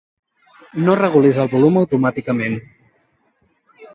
No regulis el volum automàticament.